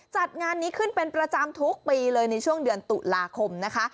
จัดงานนี้ขึ้นเป็นประจำทุกปีเลยในช่วงเดือนตุลาคมนะคะ